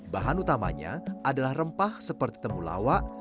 bahan utamanya adalah rempah seperti temulawak